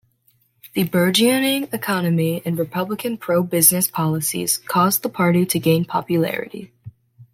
The burgeoning economy and Republican pro-business policies caused the party to gain popularity.